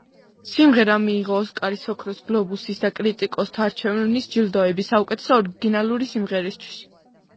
სიმღერამ მიიღო ოსკარის, ოქროს გლობუსის და კრიტიკოსთა არჩევანის ჯილდოები საუკეთესო ორიგინალური სიმღერისთვის.